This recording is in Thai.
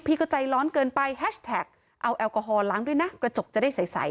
แพลคแท็กเอาแอลกอฮอล์ล้างด้วยนะกระจกจะได้ใส